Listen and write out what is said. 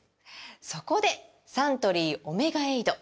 そこでサントリー「オメガエイド」！